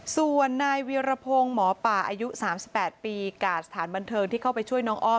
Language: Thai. ส่วนนายเวียรพงศ์หมอป่าอายุ๓๘ปีกาศสถานบันเทิงที่เข้าไปช่วยน้องอ้อม